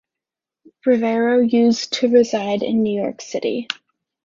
Rivero used to reside in New York City.